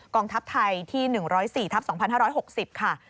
องทัพไทยที่๑๐๔ทับ๒๕๖๐ค่ะ